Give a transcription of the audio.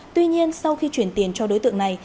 tuy nhiên sau khi chuyển tiền cho đối tượng này